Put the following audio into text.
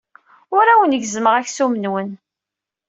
Ur awen-gezzmeɣ aksum-nwen.